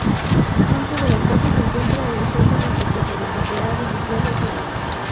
Dentro de la casa se encuentra el sótano secreto donde se ha refugiado Jonatan.